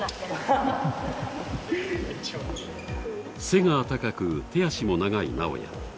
背が高く、手足も長いなおや。